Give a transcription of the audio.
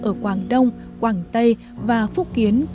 ở quảng đông quảng tây và phúc kiến